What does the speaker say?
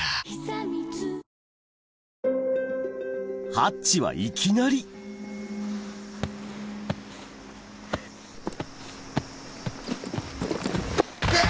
ハッチはいきなりうわ！